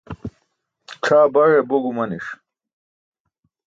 C̣ʰaa baye bo gumaniṣ